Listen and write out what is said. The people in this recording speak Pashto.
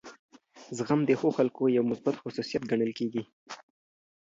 زغم د ښو خلکو یو مثبت خصوصیت ګڼل کیږي.